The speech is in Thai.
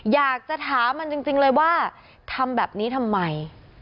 อยากจะถามมันจริงเลยว่าทำแบบนี้ทำไม